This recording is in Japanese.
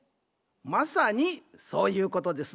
まさにそういうことですな。